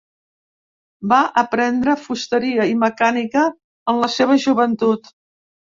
Va aprendre fusteria i mecànica en la seva joventut.